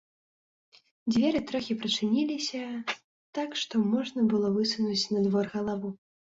Дзверы трохі прачыніліся, так што можна было высунуць на двор галаву.